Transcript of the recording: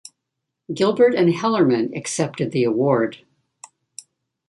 Gilbert and Hellerman accepted the award.